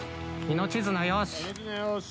命綱よし。